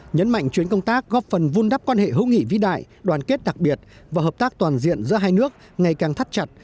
nhấn mạnh chuyến công tác góp phần vun đắp quan hệ hữu nghị vĩ đại đoàn kết đặc biệt và hợp tác toàn diện giữa hai nước ngày càng thắt chặt